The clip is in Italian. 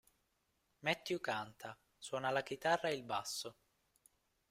Matthew canta, suona la chitarra e il basso.